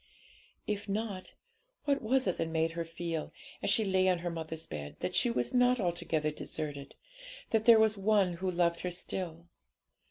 If not, what was it that made her feel, as she lay on her mother's bed, that she was not altogether deserted, that there was One who loved her still?